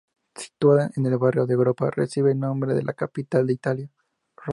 Situada en el barrio de Europa recibe el nombre de la capital de Italia.